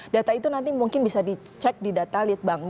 data itu nanti mungkin bisa dicek di data litbang